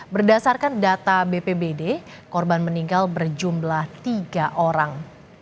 berdasarkan data bpbd korban meninggal berjumlah tiga orang